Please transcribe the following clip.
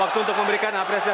waktu untuk memberikan apresiasi